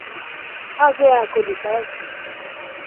Azul é a cor do céu?